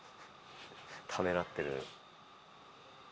ためらってる。